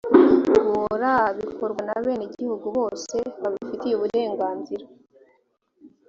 guoraa bikorwa n’abenegihugu bose babifitiye uburenganzira